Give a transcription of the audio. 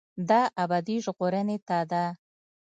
دا ابدي ژغورنې ته ده.